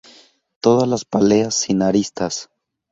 Todas las páleas sin aristas.